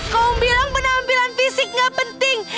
kau bilang penampilan fisik gak penting